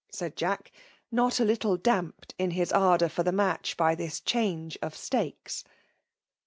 said Jack, not a littjp damped in his ardour for the match by this change of stakes.